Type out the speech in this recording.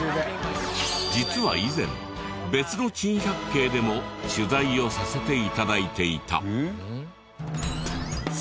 実は以前別の珍百景でも取材をさせて頂いていた。